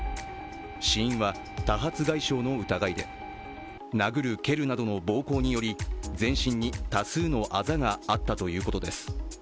死因は多発外傷の疑いで、殴る蹴るなどの暴行により全身に多数のあざがあったということです。